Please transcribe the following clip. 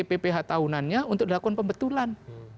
pph tahunannya untuk dilakukan pembetulan